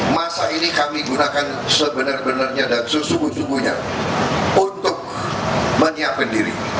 masa ini kami gunakan sebenar benarnya dan sesungguh sungguhnya untuk menyiapkan diri